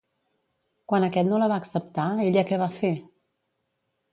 Quan aquest no la va acceptar, ella què va fer?